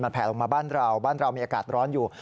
แผลลงมาบ้านเราบ้านเรามีอากาศร้อนอยู่